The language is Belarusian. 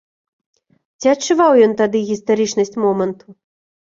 Ці адчуваў ён тады гістарычнасць моманту?